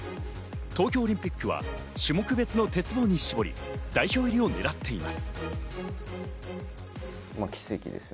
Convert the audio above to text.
東京オリンピックは種目別の鉄棒に絞り、代表入りを狙っています。